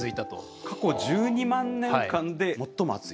過去１２万年間で最も暑い？